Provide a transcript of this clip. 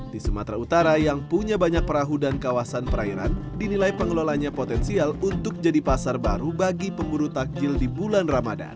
di sumatera utara yang punya banyak perahu dan kawasan perairan dinilai pengelolanya potensial untuk jadi pasar baru bagi pemburu takjil di bulan ramadan